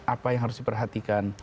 apa yang harus diperhatikan